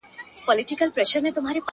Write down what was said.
• عدالت به موږ له کومه ځایه غواړو -